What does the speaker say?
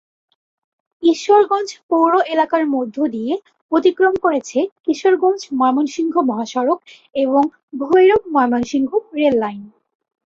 ঈশ্বরগঞ্জ পৌর এলাকার মধ্যদিয়ে অতিক্রম করেছে কিশোরগঞ্জ-ময়মনসিংহ মহাসড়ক এবং ভৈরব-ময়মনসিংহ রেললাইন।